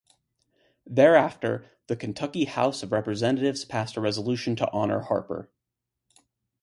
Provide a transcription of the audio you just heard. Thereafter, the Kentucky House of Representatives passed a resolution to honor Harper.